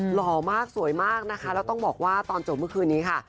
หล่อมากสวยมากนะคะแล้วต้องบอกว่าตอนจบเมื่อคืนนี้ค่ะ